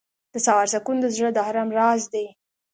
• د سهار سکون د زړه د آرام راز دی.